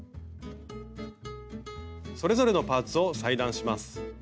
それぞれのパーツを裁断します。